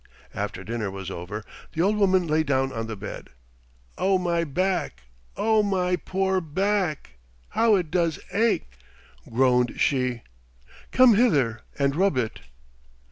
After dinner was over the old woman lay down on the bed. "Oh, my back! Oh, my poor back! How it does ache," groaned she. "Come hither and rub it."